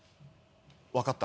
分かった。